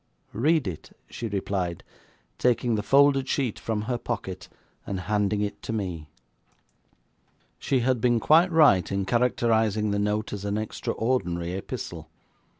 'Read it,' she replied, taking the folded sheet from her pocket, and handing it to me. She had been quite right in characterising the note as an extraordinary epistle.